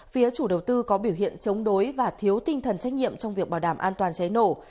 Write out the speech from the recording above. phía chủ đầu tư có biểu hiện chống đối và thiếu tinh thần trách nhiệm trong việc bảo đảm an toàn cháy nổ